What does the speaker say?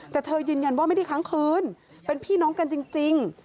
แต่เธอยืนยันว่าไม่ได้ค้างคืนเป็นพี่น้องกันจริง